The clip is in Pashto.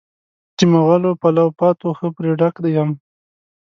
د مغلو پلاو پاتو ښه پرې ډک یم.